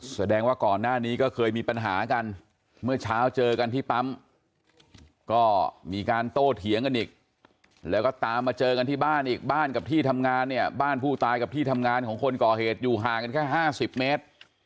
แสดงว่าก่อนหน้านี้ก็เคยมีปัญหากันเมื่อเช้าเจอกันที่ปั๊มก็มีการโต้เถียงกันอีกแล้วก็ตามมาเจอกันที่บ้านอีกบ้านกับที่ทำงานเนี่ยบ้านผู้ตายกับที่ทำงานของคนก่อเหตุอยู่ห่างกันแค่๕๐เมตร